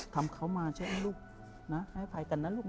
ทำเขามาใช่ไหมลูกนะให้อภัยกันนะลูก